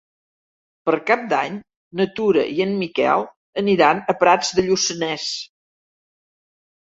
Per Cap d'Any na Tura i en Miquel aniran a Prats de Lluçanès.